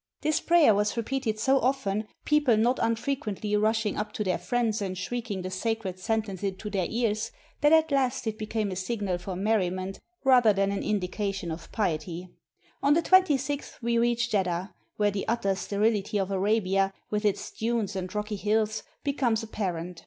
This prayer was repeated so often, people not unfre quently rushing up to their friends and shrieking the sacred sentence into their ears, that at last it became a signal for merriment rather than an indication of piety. On the 26th we reached Jeddah, where the utter steril ity of Arabia, with its dunes and rocky hills, becomes apparent.